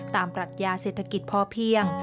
ปรัชญาเศรษฐกิจพอเพียง